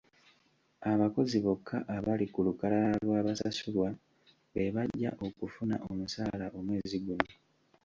Abakozi bokka abali ku lukalala lw'abasasulwa be bajja okufuna omusaala omwezi guno.